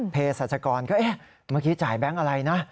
เพศรัชกรก็เอ๊ะเมื่อกี้จ่ายแบงค์อะไรนะ